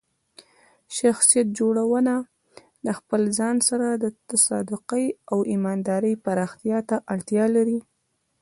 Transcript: شخصیت جوړونه د خپل ځان سره د صادقۍ او ایماندارۍ پراختیا ته اړتیا لري.